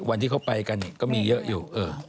วันที่เขาไปกันก็มีเยอะอยู่